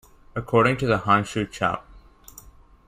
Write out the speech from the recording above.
According to the Hanshu, Chap.